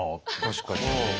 確かに。